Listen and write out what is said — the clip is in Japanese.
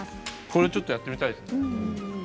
これはちょっと、やってみたいです。